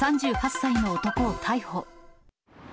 ３８歳の男を逮捕。